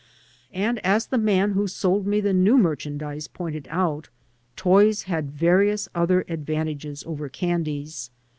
And, as the man who sold me the new merchandise pointed out, toys had various other advantages over candies.